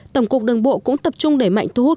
tổng cục đường bộ cũng tập trung đẩy mạnh thu hút